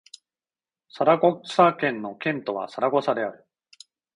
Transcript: サラゴサ県の県都はサラゴサである